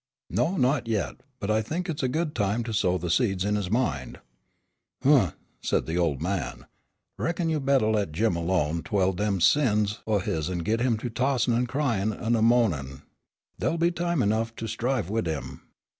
"No, not yet, but I think now is a good time to sow the seeds in his mind." "Oomph," said the old man, "reckon you bettah let Jim alone twell dem sins o' his'n git him to tossin' an' cryin' an' a mou'nin'. Den'll be time enough to strive wid him.